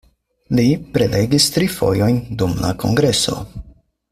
Li prelegis tri fojojn dum la kongreso.